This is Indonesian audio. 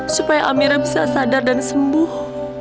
supaya amira bisa sadar dan sembuh